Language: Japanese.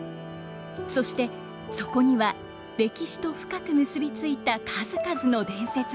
そしてそこには歴史と深く結び付いた数々の伝説も。